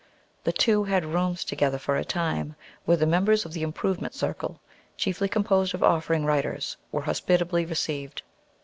The two had rooms together for a time, where the members of the "Improvement Circle," chiefly composed of "Offering" writers, were hospitably received.